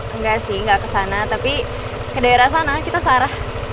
engga sih gak kesana tapi ke daerah sana kita searah